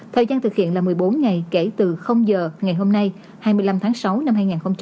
thời gian thực hiện là một mươi bốn ngày kể từ giờ ngày hôm nay hai mươi năm tháng sáu năm hai nghìn hai mươi